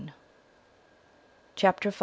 CHAPTER V.